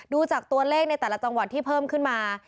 ดูจากตัวเลขในแต่ละจังหวัดที่เพิ่มขึ้นมา